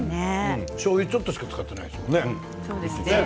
しょうゆちょっとしか使っていないですものね。